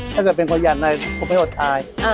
ถ้าคิดเป็นข้ออย่างไรก็ปล่อยอดท้าย